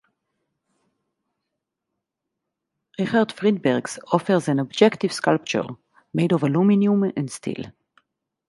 Richard Friedberg's offers an objective sculpture made of aluminum and steel.